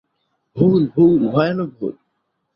ভুল, ভুল, ভয়ানক ভুল!